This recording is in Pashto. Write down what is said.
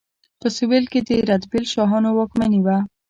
په سویل کې د رتبیل شاهانو واکمني وه.